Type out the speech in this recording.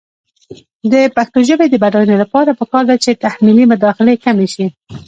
د پښتو ژبې د بډاینې لپاره پکار ده چې تحمیلي مداخلې کمې شي.